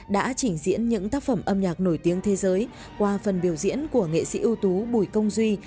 đã trình diễn những tác phẩm âm nhạc nổi tiếng thế giới qua phần biểu diễn của nghệ sĩ ưu tú bùi công duy